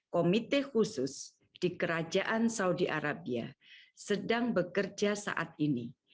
komite khusus di kerajaan saudi arabia sedang bekerja saat ini